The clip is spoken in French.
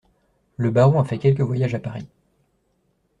Le Baron a fait quelques voyages à Paris.